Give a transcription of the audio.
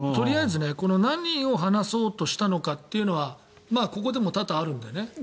とりあえず何を話そうとしたのかというのはここでも多々あるんでね。